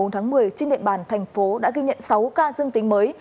trên địa bàn thành phố đã ghi nhận sáu ca dương tính mới